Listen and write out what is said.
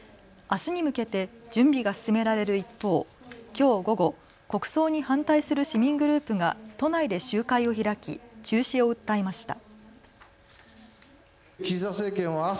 あすに向けて準備が進められる一方、きょう午後、国葬に反対する市民グループが都内で集会を開き中止を訴えました。